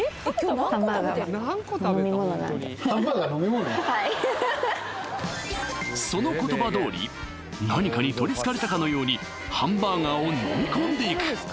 はいその言葉どおり何かに取りつかれたかのようにハンバーガーを飲み込んでいく